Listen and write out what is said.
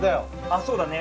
あっそうだね。